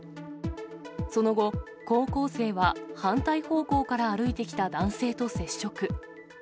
その後、高校生は、反対方向から歩いてきた男性と接触。